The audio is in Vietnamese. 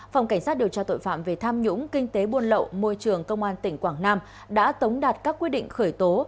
phòng cảnh sát điều tra tội phạm về tham nhũng kinh tế buôn lậu môi trường công an tỉnh quảng nam đã tống đạt các quyết định khởi tố